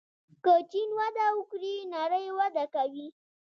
که چین وده وکړي نړۍ وده کوي.